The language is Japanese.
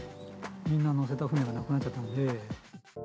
みんな乗せた船がなくなっちゃったので。